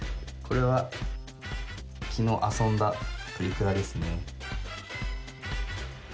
これは昨日遊んだプリクラですね。